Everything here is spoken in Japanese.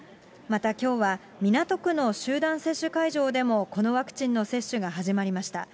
またきょうは、港区の集団接種会場でもこのワクチンの接種が始まりました。